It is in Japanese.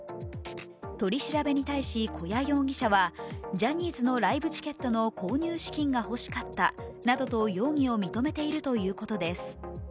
取り調べに対し古屋容疑者はジャニーズのライブチケットの購入資金が欲しかったなどと容疑を認めているということです。